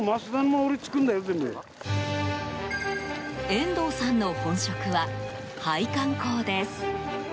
遠藤さんの本職は配管工です。